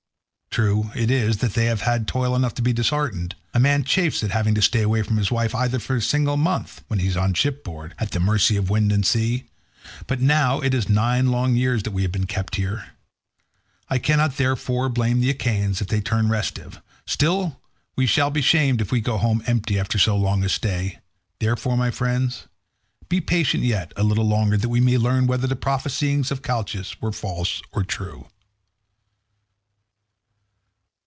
True it is that they have had toil enough to be disheartened. A man chafes at having to stay away from his wife even for a single month, when he is on shipboard, at the mercy of wind and sea, but it is now nine long years that we have been kept here; I cannot, therefore, blame the Achaeans if they turn restive; still we shall be shamed if we go home empty after so long a stay—therefore, my friends, be patient yet a little longer that we may learn whether the prophesyings of Calchas were false or true.